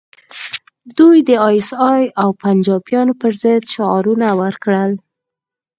دوی د ای ایس ای او پنجابیانو پر ضد شعارونه ورکړل